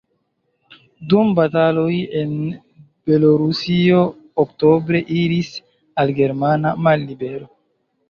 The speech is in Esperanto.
Dum bataloj en Belorusio oktobre iris al germana mallibero.